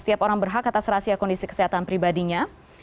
setiap orang berhak atas rahasia kondisi kesehatan pribadinya